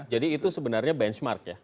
jadi itu sebenarnya benchmark ya